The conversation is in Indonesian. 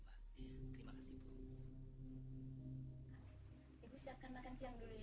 terima kasih ibu siapa makan siang ya iya iya iya